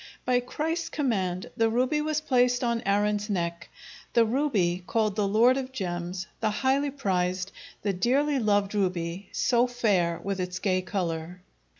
By Christ's command the ruby was placed on Aaron's neck, "the ruby, called the lord of gems; the highly prized, the dearly loved ruby, so fair with its gay color."